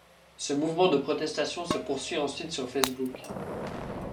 Ce mouvement de protestation se poursuit ensuite sur facebook.